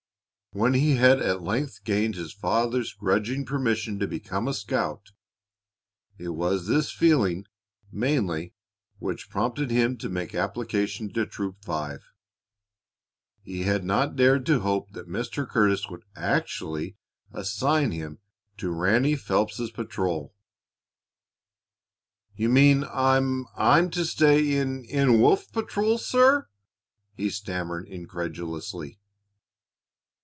When he had at length gained his father's grudging permission to become a scout, it was this feeling mainly which prompted him to make application to Troop Five. He had not dared to hope that Mr. Curtis would actually assign him to Ranny Phelps's patrol. "You mean I I'm to stay in in Wolf patrol, sir?" he stammered incredulously.